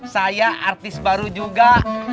saya artis baru juga